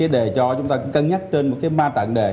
đề cho chúng ta cân nhắc trên ba trạng đề